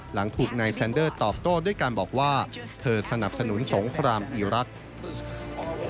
หลังถูกนายแซนเดอร์ตอบโต้ด้วยการบอกว่าเธอสนับสนุนสงครามอีรักษ์